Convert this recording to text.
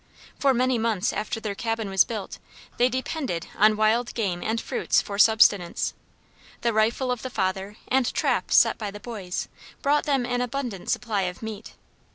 For many months after their cabin was built they depended on wild game and fruits for subsistence; the rifle of the father, and traps set by the boys, brought them an abundant supply of meat.